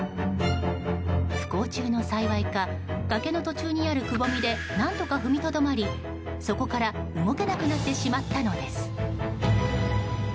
不幸中の幸いか崖の途中にあるくぼみで何とか踏みとどまり、そこから動けなくなってしまったのです。